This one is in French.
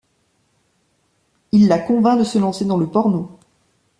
Il la convainc de se lancer dans le porno.